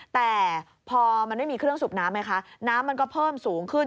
แต่พอมันไม่มีเครื่องสูบน้ำไหมคะน้ำมันก็เพิ่มสูงขึ้น